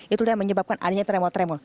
itu yang menyebabkan adanya tremor tremor